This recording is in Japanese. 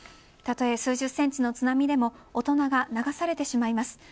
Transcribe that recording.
たとえ数十センチの津波でも大人が流されてしまいます。